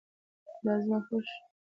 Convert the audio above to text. دا زما خوښ شو